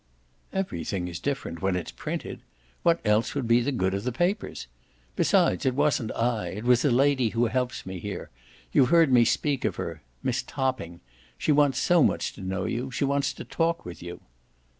"Everything IS different when it's printed. What else would be the good of the papers? Besides, it wasn't I; it was a lady who helps me here you've heard me speak of her: Miss Topping. She wants so much to know you she wants to talk with you."